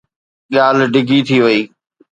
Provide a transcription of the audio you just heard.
ڳالهه ڊگهي ٿي وئي.